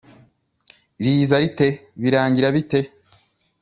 riza rite?birangira bite ?